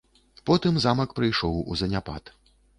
Потым замак прыйшоў у заняпад.